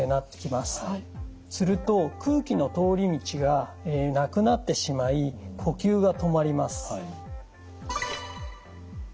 すると空気の通り道がなくなってしまい呼吸が止まります。